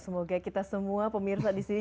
semoga kita semua pemirsa disini